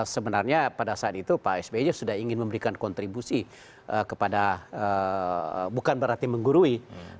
sebenarnya pada saat itu pak sby sudah ingin memberikan kontribusi kepada bukan berarti menggurui